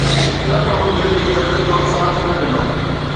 زخم دل جي درد جو ساٿ نه ڏنو